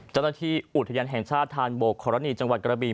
เจ้าหน้าที่อุทยานแห่งชาติธานโบกขอรณีจังหวัดกระบี